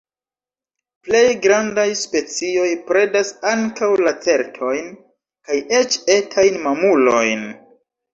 Plej grandaj specioj predas ankaŭ lacertojn kaj eĉ etajn mamulojn.